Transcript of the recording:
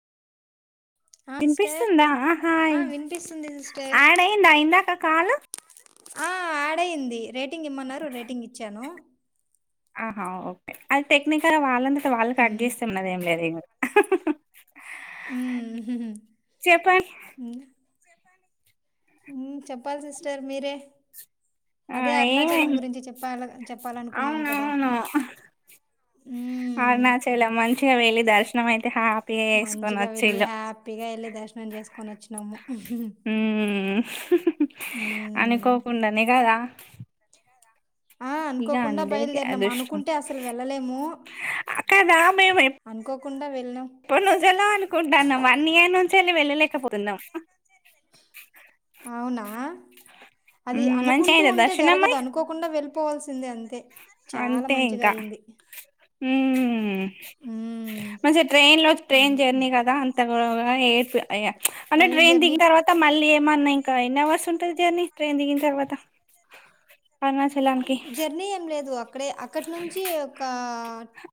ఆ సిస్టర్ వినిపిస్తుందా ఆ హాయ్ వినిపిస్తుంది సిస్టర్ యాడ్ అయిందా ఇందాక కాల్ ఆ యాడ్ అయింది రేట్ రేటింగ్ ఇమ్మన్నారు రేటింగ్ ఇచ్చాను ఆహా ఓకే అది టెక్నికల్ వాళ్ళంత వాళ్ళకి కట్ చేస్తా మనది ఏం లేదు ఇంగ చెప్పండి హ్మ్ హ్మ్ చెప్ పప్పల్ సిస్టర్ మీరే ఆ అదే అరుణాచలం ఏమైంది గురించి చెప్పాల చెప్పాలనుకున్నాను కదా అవునవును హ్మ్ ఉత్తిగా వెళ్లి దర్శనం అయితే హా మంచిగా వెళ్లి హ్యాపీగా వెళ్లి దర్శనం చేసుకో కొనొచ్చినాము హ్మ్ స ఉమ్ అనుకోకుండానే కదా ఆ ఇక అనుకోకుండా అందరికీ బయలుదేరినాం అదృష్టం అనుకుంటే అసలు వెళ్ళలేము కదా మేము అనుకోకుండా వెళ్ళినాం ఎప్పనుంచో అనుకుంటాము వన్ ఇయర్ నుంచి వెళ్ళలే [unintelligible] పోతున్నం అవునా అది మ్మ్, మంచిగా అనుకుంటూ అయిందా ఉంటే దర్శనం జరగదు మరి అనుకోకుండా వెళ్ళిపోవల్సి సింద అంది అంతే ఇంకా హ్మ్ ఉమ్, మంచి ట్రైన్ లో ట్రైన్ ఉమ్, జర్నీ ఉమ్. కదా అంత కూడా ఏ అయా అంటే ట్రైన్ దిగిన తర్వాత మళ్ళీ ఏమన్నా ఇంకా ఎన్ని హౌర్స్ ఉంటది జర్నీ ట్రైన్ దికినా తరువాత అరుణాచలం కి జర్నీ ఏం లేదు అక్కడే అక్కడి నుంచి ఒక